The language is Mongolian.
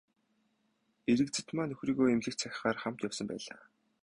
Эрэгзэдмаа нөхрийгөө эмнэлэгт сахихаар хамт явсан байлаа.